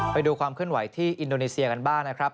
ไปดูความเคลื่อนไหวที่อินโดนีเซียกันบ้างนะครับ